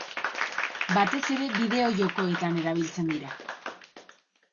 Batez ere bideojokoetan erabiltzen dira.